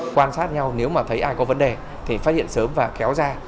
quan sát nhau nếu mà thấy ai có vấn đề thì phát hiện sớm và kéo ra